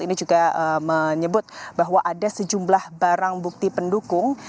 ini juga menyebut bahwa ada sejumlah barang bukti pendukung